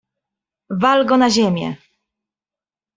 "Wal go na ziemię!"